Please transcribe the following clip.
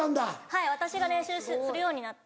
はい私が練習するようになって。